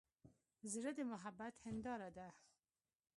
زړه د محبت هنداره ده.